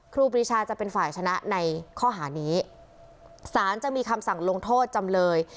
ครูปรีชาจะเป็นฝ่ายชนะในข้อหานี้สารจะมีคำสั่งลงโทษจำเลย